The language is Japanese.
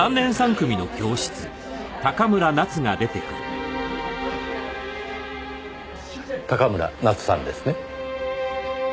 高村奈津さんですね？